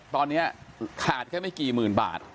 ตอนนี้ขาดแค่ไม่กี่หมื่นบาท